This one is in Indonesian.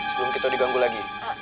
sebelum kita diganggu lagi